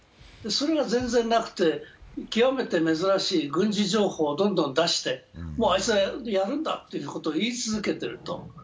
それが全然なくて、極めて珍しい軍事情報をどんどん出して、もうあいつはやるんだということを言い続けていると。